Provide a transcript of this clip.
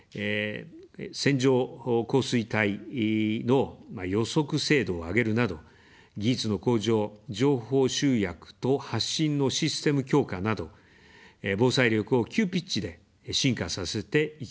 線状降水帯の予測精度を上げるなど、技術の向上、情報集約と発信のシステム強化など、防災力を急ピッチで進化させていきます。